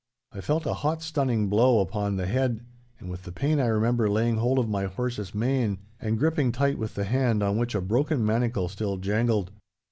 I felt a hot, stunning blow upon the head, and with the pain I remember laying hold of my horse's mane and gripping tight with the hand on which a broken manacle still jangled.